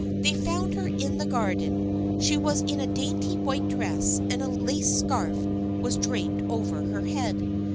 They found her in the garden. She was in a dainty white dress, and a lace scarf was draped over her head.